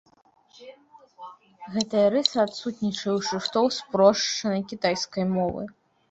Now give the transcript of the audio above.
Гэтай рыса адсутнічае ў шрыфтоў спрошчанай кітайскай мовы.